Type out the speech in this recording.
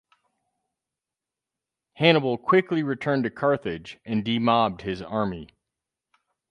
Hannibal quickly returned to Carthage and demobbed his army.